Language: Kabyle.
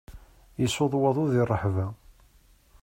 Isuḍ waḍu di ṛṛeḥba.